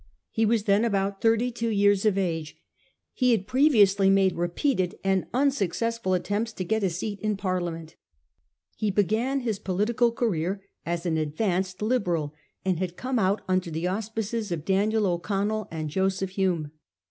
He was then about thirty two years of age. He had previously made repeated and unsuccessful attempts to get a seat in Parliament. He began his political career as an ad vanced Liberal, and had come out under the auspices of Daniel O'Connell and Joseph Hume.